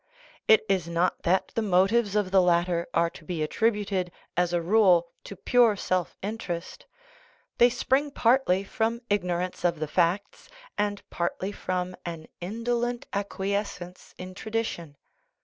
It is not that the motives of the latter are to be attributed, as a rule, to pure self interest ; they spring partly from ignorance of the facts, and partly from an indolent ac quiescence in tradition.